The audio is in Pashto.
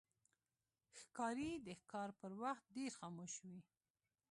ښکاري د ښکار پر وخت ډېر خاموش وي.